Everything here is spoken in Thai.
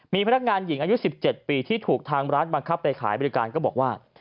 มีพนักงานหญิงอายุ๑๗ปีที่ถูกทางร้านบังคับไปขายบริการก็บอกว่า